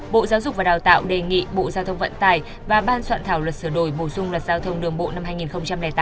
bộ giáo dục và đào tạo đề nghị bộ giao thông vận tải và ban soạn thảo luật sửa đổi bổ sung luật giao thông đường bộ năm hai nghìn tám